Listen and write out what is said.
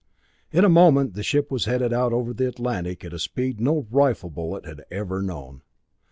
In a moment the ship was headed out over the Atlantic at a speed no rifle bullet had ever known.